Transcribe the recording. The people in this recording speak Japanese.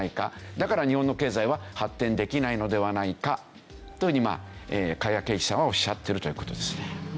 だから日本の経済は発展できないのではないかというふうに加谷珪一さんはおっしゃってるという事ですね。